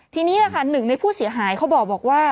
ทีนี้แหละค่ะหนึ่งในผู้เสียหายเขาบอกว่า